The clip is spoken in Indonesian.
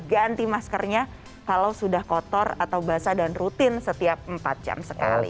ganti maskernya kalau sudah kotor atau basah dan rutin setiap empat jam sekali